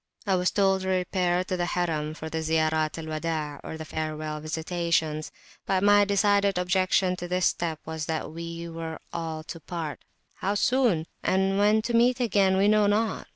I was told to repair to the Harim for the Ziyarat al Widaa, or the Farewell Visitation; but my decided objection to this step was that we were all to part, how soon!and when to meet again we knew not.